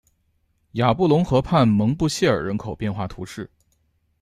雅布龙河畔蒙布谢尔人口变化图示